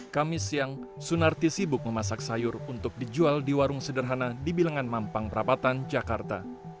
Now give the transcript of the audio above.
kami siang sunarti sibuk memasak sayur untuk dijual di warung sederhana di bilangan mampang perapatan jakarta